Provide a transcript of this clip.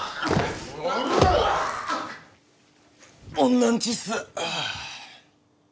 女ん家っす。